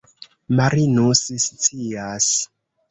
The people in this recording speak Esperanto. Marinus scias.